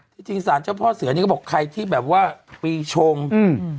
จริงสารเจ้าพ่อเสือนี่ก็บอกใครที่แบบว่าปีชงอืม